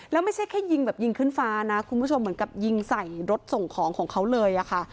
แล้วไม่ใช่แค่ยิงแบบยิงขึ้นฟ้านะคุณผู้ชมเหมือนกับยิงใส่รถส่งของของเขาเลยอะค่ะ